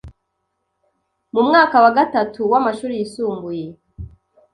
mu mwaka wa Gatatu w’amashuri yisumbuye